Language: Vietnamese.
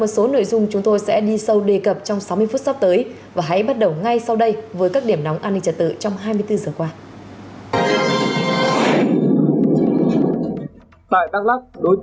xin chào và hẹn gặp lại